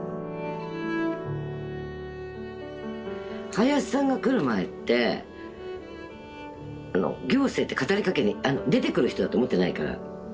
林さんが来る前って行政って語りかけに出てくる人だと思ってないから。